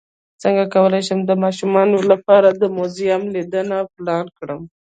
څنګه کولی شم د ماشومانو لپاره د موزیم لیدنه پلان کړم